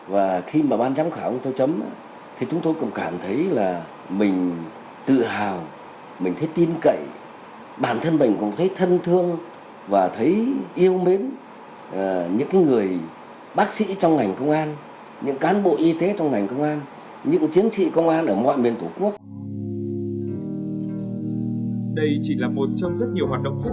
và khi mà ban giám khảo chúng tôi chấm thì chúng tôi cũng cảm thấy là mình tự hào mình thấy tin cậy bản thân mình cũng thấy thân thương và thấy yêu mến những cái người bác sĩ trong ngành công an những cán bộ y tế trong ngành công an những chiến sĩ công an ở ngoài miền tổ quốc